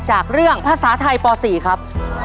จากเรื่องภาษาไทยป๔ครับ